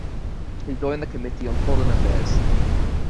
He joined the Committee on Foreign Affairs.